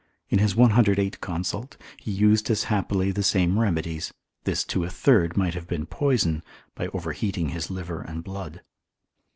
In his 108 consult, he used as happily the same remedies; this to a third might have been poison, by overheating his liver and blood.